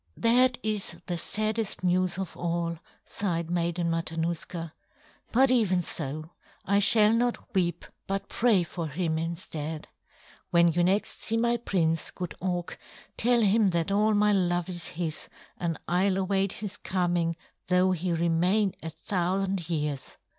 "That is the saddest news of all," sighed Maiden Matanuska. "But even so, I shall not weep but pray for him instead. When you next see my prince, good Auk, tell him that all my love is his, and I'll await his coming though he remain a thousand years."